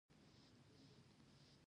کله چې هيله دلته ورسېده د مينې رنګ بدل شو